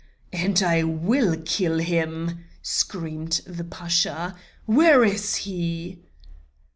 '" "And I will kill him," screamed the Pasha, "where is he?"